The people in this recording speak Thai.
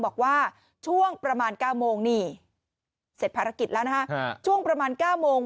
บอกว่าช่วงประมาณ๙โมงนี่เสร็จภารกิจแล้วนะฮะช่วงประมาณ๙โมง